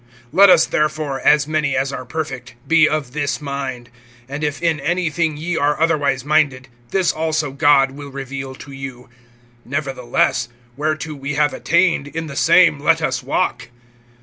(15)Let us therefore, as many as are perfect, be of this mind; and if in any thing ye are otherwise minded, this also God will reveal to you. (16)Nevertheless, whereto we have attained, in the same let us walk.